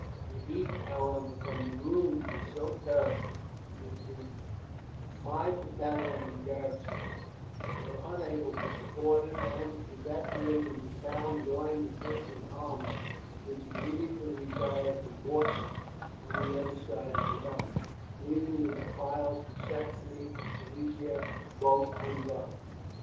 The heat, however, from the ruins was so terrible that the five battalions in garrison there were unable to support it and, evacuating the town, joined the prince's army; which immediately retired to Bautzen on the other side of the mountains, leaving the defiles to Saxony and Silesia both unguarded.